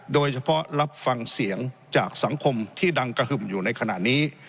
โดยเฉพาะรับฟังเสียงจากสังคมที่ดังกระหึ่มอยู่ในขณะนี้